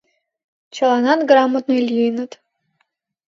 Чыланат грамотный лийыныт.